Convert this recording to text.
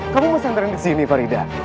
kamu pesantren di sini farida